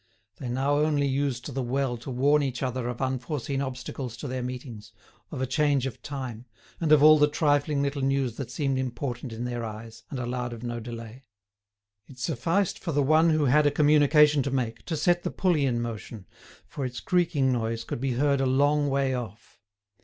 They now only used the well to warn each other of unforeseen obstacles to their meetings, of a change of time, and of all the trifling little news that seemed important in their eyes, and allowed of no delay. It sufficed for the one who had a communication to make to set the pulley in motion, for its creaking noise could be heard a long way off.